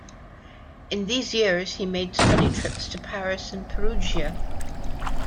In these years he made study trips to Paris and Perugia.